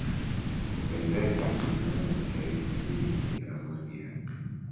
kupendeza Msimamo wa taifa hili kwenye ramani ya